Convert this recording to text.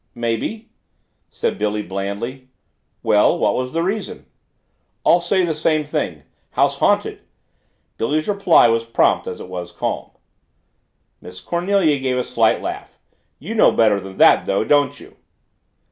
"Maybe," said Billy blandly. "Well, what was the reason?" "All say the same thing house haunted." Billy's reply was prompt as it was calm. Miss Cornelia gave a slight laugh. "You know better than that, though, don't you?"